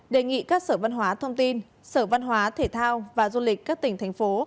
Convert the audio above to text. đề nghị các sở văn hóa thông tin sở văn hóa thể thao và du lịch các tỉnh thành phố